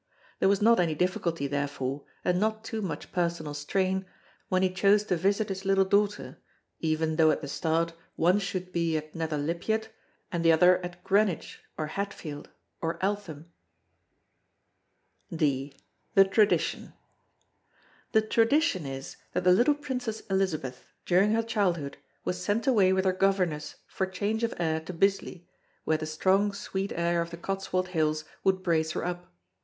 There was not any difficulty therefore, and not too much personal strain, when he chose to visit his little daughter even though at the start one should be at Nether Lypiat and the other at Greenwich or Hatfield or Eltham. D. THE TRADITION The Tradition is that the little Princess Elizabeth, during her childhood, was sent away with her governess for change of air to Bisley where the strong sweet air of the Cotswold Hills would brace her up.